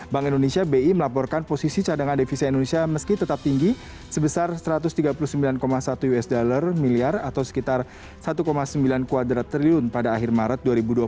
bank indonesia bi melaporkan posisi cadangan devisa indonesia meski tetap tinggi sebesar satu ratus tiga puluh sembilan satu usd miliar atau sekitar satu sembilan kuadra triliun pada akhir maret dua ribu dua puluh satu